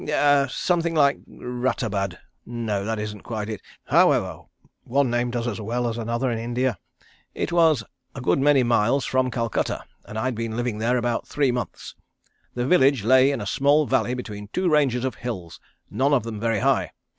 Ah something like Rathabad no, that isn't quite it however, one name does as well as another in India. It was a good many miles from Calcutta, and I'd been living there about three months. The village lay in a small valley between two ranges of hills, none of them very high.